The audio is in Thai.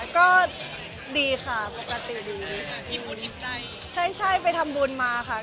ครับค่ะ